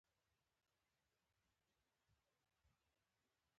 غور د کوم تاریخي منار کور دی؟